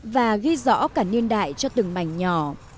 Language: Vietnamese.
và ghi rõ cả niên đại cho từng mảnh nhỏ